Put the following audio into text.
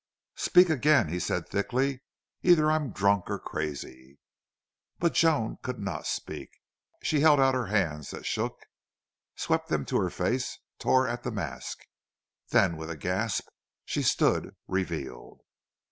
"Speak again!" he said, thickly. "Either I'm drunk or crazy!" But Joan could not speak. She held out hands that shook swept them to her face tore at the mask. Then with a gasp she stood revealed.